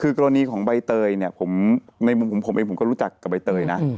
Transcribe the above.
คือกรณีของใบเตยเนี่ยผมในมุมของผมเองผมก็รู้จักกับใบเตยนะ